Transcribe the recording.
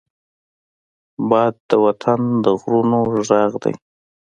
باد د وطن د غرونو غږ دی